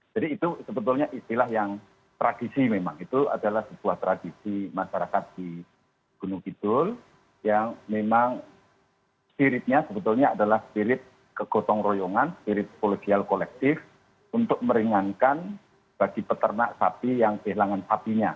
jadi itu sebetulnya istilah yang tradisi memang itu adalah sebuah tradisi masyarakat di gunung kidul yang memang spiritnya sebetulnya adalah spirit kegotong royongan spirit kolegial kolektif untuk meringankan bagi peternak sapi yang kehilangan sapinya